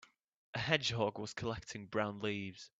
A hedgehog was collecting brown leaves.